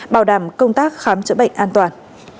bảo đảm công tác khám chữa bệnh an toàn